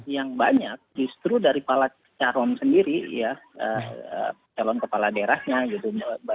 yang banyak justru dari kepala calon sendiri ya calon kepala daerahnya gitu